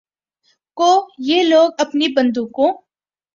کو یہ لوگ اپنی بندوقوں